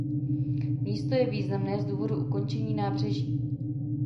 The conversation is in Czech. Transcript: Místo je významné z důvodu ukončení nábřeží.